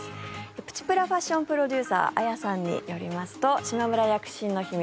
プチプラファッションプロデューサーあやさんによりますとしまむら躍進の秘密